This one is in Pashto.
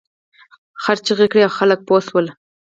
خر چیغې کړې او خلک پوه شول.